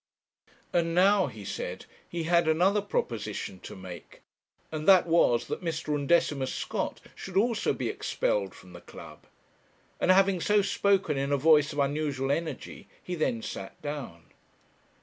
'And now,' he said, 'he had another proposition to make; and that was that Mr. Undecimus Scott should also be expelled from the club,' and having so spoken, in a voice of unusual energy, he then sat down.